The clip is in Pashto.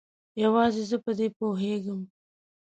یوازې زه په دې پوهیږم